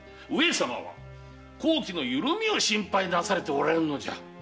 上様は綱紀のゆるみを心配なされておられるのじゃ。